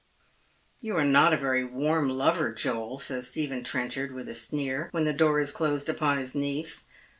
" You are not a very warm lover, Joel," says Stephen Tren chard, with a sneer, when the door has closed upon his niece.